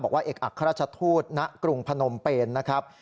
บอกว่าเอกอักราชทูตณกรุงพนมเปนนะครับ